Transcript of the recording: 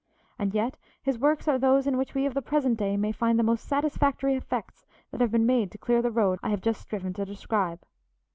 And yet his works are those in which we of the present day may find the most satisfactory efforts that have been made to clear the road I have just striven to describe.